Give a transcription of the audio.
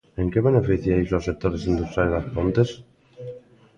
¿En que beneficia iso aos sectores industriais das Pontes?